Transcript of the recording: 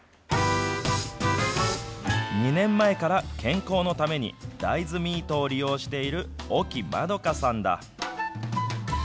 ２年前から健康のために、大豆ミートを利用している沖麻斗香さんだ。